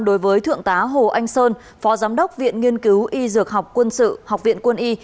đối với thượng tá hồ anh sơn phó giám đốc viện nghiên cứu y dược học quân sự học viện quân y